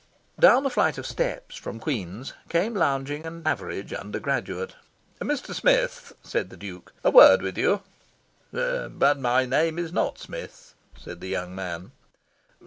Down the flight of steps from Queen's came lounging an average undergraduate. "Mr. Smith," said the Duke, "a word with you." "But my name is not Smith," said the young man.